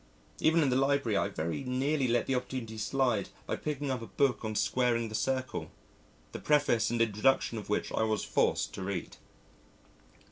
_ Even in the Library I very nearly let the opportunity slide by picking up a book on squaring the circle, the preface and introduction of which I was forced to read.